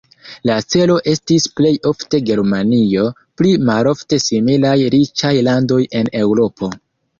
La celo estis plej ofte Germanio, pli malofte similaj riĉaj landoj en Eŭropo.